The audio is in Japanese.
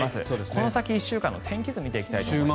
この先１週間の天気図を見ていきます。